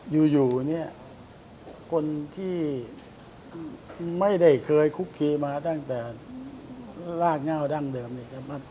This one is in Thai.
อยู่คนที่ไม่เคยคุกเค้มาตั้งแต่รากเง้าด้านเดิม